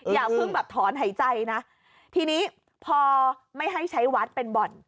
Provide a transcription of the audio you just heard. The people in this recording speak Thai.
อย่าเพิ่งแบบถอนหายใจนะทีนี้พอไม่ให้ใช้วัดเป็นบ่อน